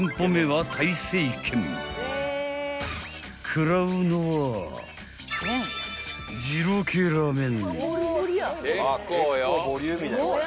［食らうのは二郎系ラーメン］